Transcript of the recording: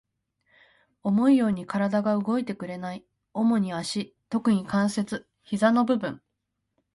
思うように体が動いてくれない。主に足、特に関節、膝の部分。